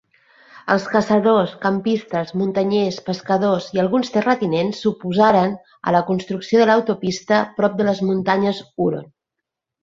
Els caçadors, campistes, muntanyers, pescadors i alguns terratinents s'oposaren a la construcció de l'autopista prop de les muntanyes Huron.